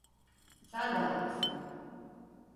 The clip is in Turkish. Sen de haklısın.